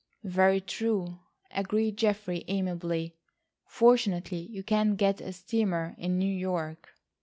"Very true," agreed Geoffrey amiably. "Fortunately you can get a steamer in New York."